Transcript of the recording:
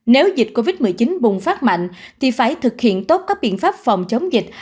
nếu dịch covid một mươi chín bùng phát mạnh thì phải thực hiện tốt các biện pháp phòng chống dịch